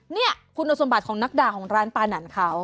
นี่คุณสมบัติของนักด่าของร้านปานันเขา